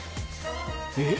えっ？